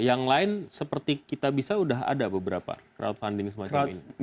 yang lain seperti kitabisa sudah ada beberapa crowdfunding semacam ini